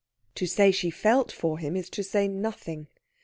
To say she felt for him is to say nothing.